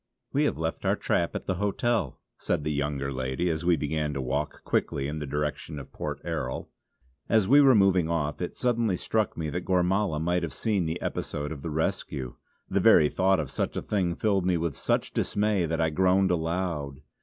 "We have left our trap at the hotel" said the younger lady as we began to walk quickly in the direction of Port Erroll. As we were moving off it suddenly struck me that Gormala might have seen the episode of the rescue. The very thought of such a thing filled me with such dismay that I groaned aloud.